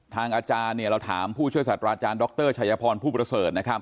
ทางอาจารย์เราถามผู้ช่วยสัตว์อาจารย์ดรชายพรพุรเสิร์ต